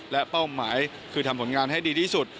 และเป้าหมายคือทำผลงานให้ดีที่สุด